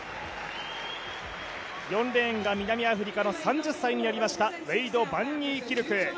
４レーンが南アフリカの３０歳になりましたウェイド・バン・ニーキルク。